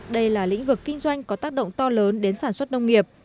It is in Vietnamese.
đây là lĩnh vực kinh doanh có tác động to lớn đến sản xuất nông nghiệp